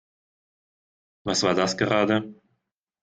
Was war das gerade?